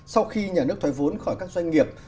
sau khi nhà nước thoái vốn khỏi các doanh nghiệp